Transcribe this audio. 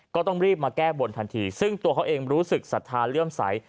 ก็ต้องรีบมาแก้บนทันทีซึ่งตัวเขาเองรู้สึกศรัทธาเลื่อมใส